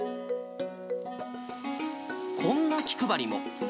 こんな気配りも。